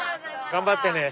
頑張ってね。